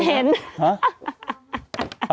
ฮะ